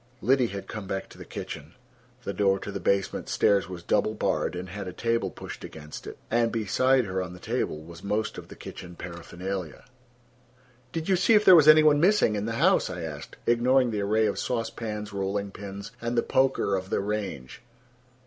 Liddy had come back to the kitchen: the door to the basement stairs was double barred, and had a table pushed against it; and beside her on the table was most of the kitchen paraphernalia. "Did you see if there was any one missing in the house?" I asked, ignoring the array of sauce pans rolling pins, and the poker of the range.